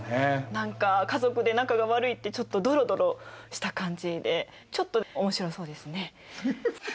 何か家族で仲が悪いってちょっとドロドロした感じでちょっと面白そうですね。